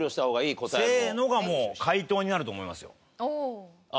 「せーの」がもう回答になると思いますよ。